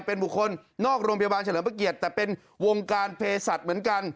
เป็นบุคคลนอกโรงพยาบาลเฉลิมพระเกียรติแต่เป็นวงการเพศสัตว์เหมือนกัน